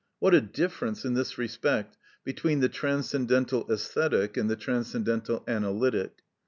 What a difference in this respect between the Transcendental Æsthetic and the Transcendental Analytic!